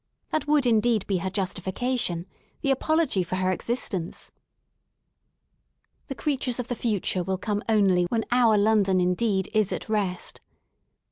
That would indeed be her justification, the apology for her existence. The creatures of the future will come only when our London indeed is at rest.